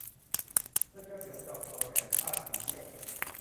เมื่อเจ้าเหมียวจอมซนแอบทาสหนีเที่ยว